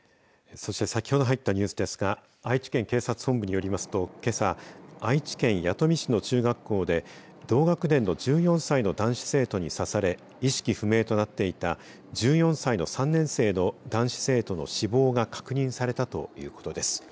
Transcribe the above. そして先ほど入ったニュースですが愛知県警察本部によりますとけさ愛知県弥富市の中学校で同学年の１４歳の男子生徒に刺され意識不明となっていた１４歳の３年生の男子生徒の死亡が確認されたということです。